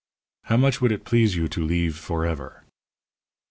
How much would it please you to leeve forever?"